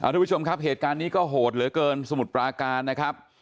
ทุกผู้ชมครับเหตุการณ์นี้ก็โหดเหลือเกินสมุทรปราการนะครับ